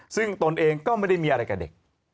ซึ่งตนเองก็ไม่ได้มีอะไรกับเด็ก